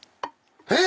えっ⁉